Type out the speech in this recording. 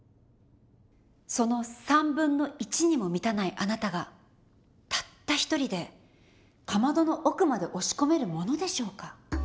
その1/3にも満たないあなたがたった一人でかまどの奥まで押し込めるものでしょうか？